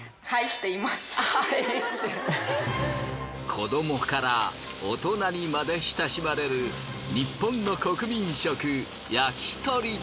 子どもから大人にまで親しまれるニッポンの国民食焼き鳥。